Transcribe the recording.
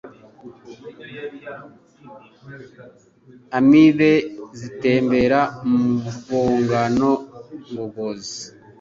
Amibe zitembera mu rwungano ngogozi